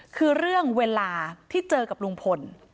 คือเรื่องเวลาที่เจอกับลุงพล